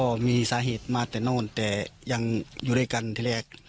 ก็มีสาเหตุมาแต่โน่นแต่ยังอยู่ด้วยกันที่แรก